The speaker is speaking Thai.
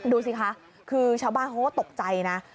ดูสิคะคือชาวบ้านเขาก็ตกใจนะ